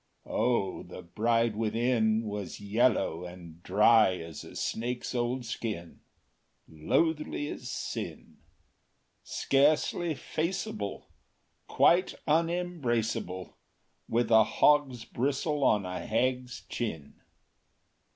O the bride within Was yellow and dry as a snake’s old skin; Loathly as sin! Scarcely faceable, Quite unembraceable; With a hog’s bristle on a hag’s chin!